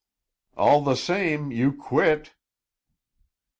"All the same, you quit!"